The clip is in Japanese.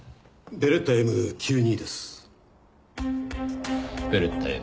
ベレッタＭ９２。